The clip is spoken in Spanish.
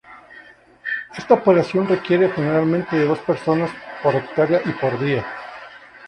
Esta operación requiere generalmente de dos personas por hectárea y por día.